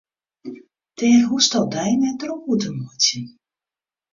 Dêr hoechsto dy net drok oer te meitsjen.